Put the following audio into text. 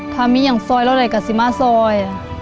ถ้ามีอย่างซอยแล้วได้ก็จะมาซอย